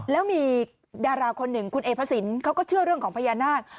แล้วมีดาราคนหนึ่งคุณเอพระสินเขาก็เชื่อเรื่องของพญานาค